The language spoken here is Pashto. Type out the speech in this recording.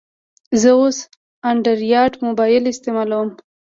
زه اوس انډرایډ موبایل استعمالوم.